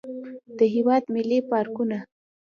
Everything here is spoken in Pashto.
د هېواد ملي پارکونه.